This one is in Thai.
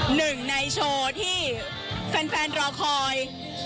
หนึ่งในโชว์ที่แฟนรอคอย